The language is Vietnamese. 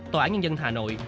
tòa án nhân dân hà nội